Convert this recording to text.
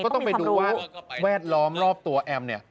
ต้องไปดูว่าแวดล้อมรอบตัวแอมเนี่ย